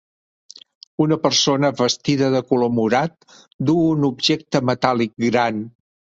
Una persona vestida de color morat duu un objecte metàl·lic gran.